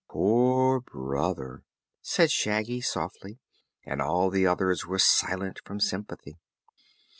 "Poor Brother!" said Shaggy softly, and all the others were silent from sympathy.